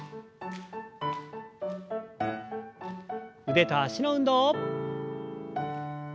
腕と脚の運動。